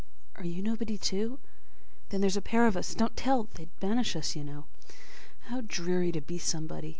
Are you nobody, too? Then there 's a pair of us—don't tell! They 'd banish us, you know. How dreary to be somebody!